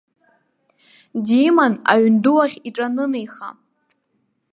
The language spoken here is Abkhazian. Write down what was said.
Диман аҩнду ахь иҿанынеиха.